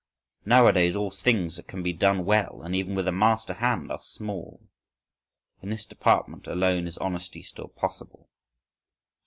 —Nowadays all things that can be done well and even with a master hand are small. In this department alone is honesty still possible.